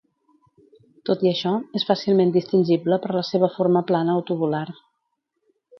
Tot i això, és fàcilment distingible per la seva forma plana o tubular.